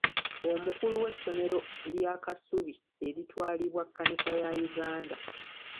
Omukulu w'essomero lya Kasubi eritwalibwa Kannisa ya Uganda.